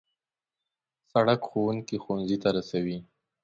سړک ښوونکي ښوونځي ته رسوي.